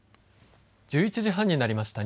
１１時半になりました。